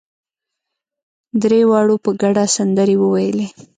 درېواړو په ګډه سندرې وويلې.